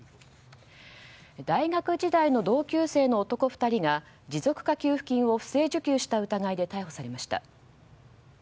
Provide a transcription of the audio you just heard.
大学時代の同級生の男２人が持続化給付金を不正受給した疑いで逮捕されました。